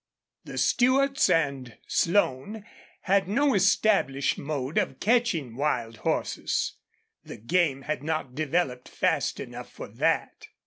The Stewarts and Slone had no established mode of catching wild horses. The game had not developed fast enough for that.